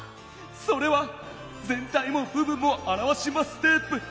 「それは『ぜんたいもぶぶんもあらわしマステープ』！」。